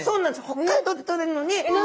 北海道でとれるのに。